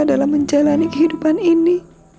dalam menjalani kehidupan ini